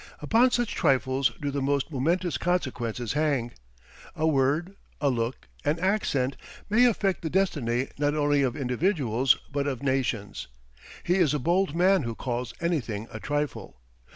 Upon such trifles do the most momentous consequences hang. A word, a look, an accent, may affect the destiny not only of individuals, but of nations. He is a bold man who calls anything a trifle.